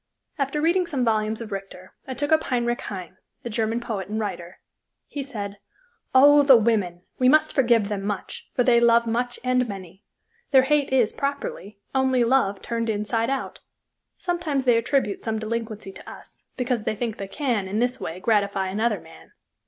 After reading some volumes of Richter, I took up Heinrich Heine, the German poet and writer. He said: "Oh, the women! We must forgive them much, for they love much and many. Their hate is, properly, only love turned inside out. Sometimes they attribute some delinquency to us, because they think they can, in this way, gratify another man.